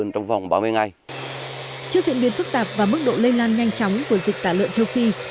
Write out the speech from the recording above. trước diễn biến phức tạp và mức độ lây lan nhanh chóng của dịch tả lợn châu phi